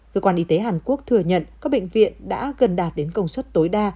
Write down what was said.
cơ quan y tế hàn quốc thừa nhận các bệnh viện đã gần đạt đến công suất tối đa